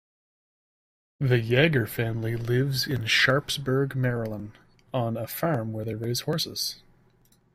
The Yeager family lives in Sharpsburg, Maryland on a farm where they raise horses.